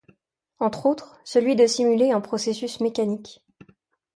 Entre autres, celui de simuler un processus mécanique.